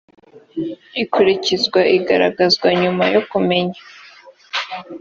ikurikizwa igaragazwa nyuma yo kumenya